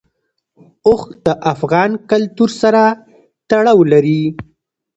اوښ د افغان کلتور سره تړاو لري.